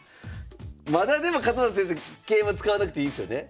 まだでも勝又先生桂馬使わなくていいですよね？